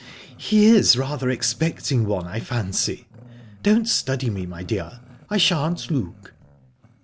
"He is rather expecting one, I fancy. Don't study me, my dear I shan't look."